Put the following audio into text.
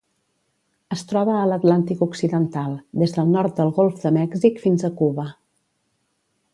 Es troba a l'Atlàntic occidental: des del nord del Golf de Mèxic fins a Cuba.